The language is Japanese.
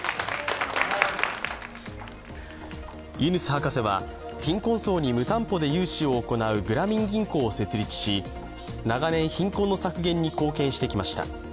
ユヌス博士は貧困層に無担保で融資を行うグラミン銀行を設立し長年、貧困の削減に貢献してきました。